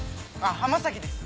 浜崎です。